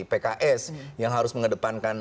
pks yang harus mengedepankan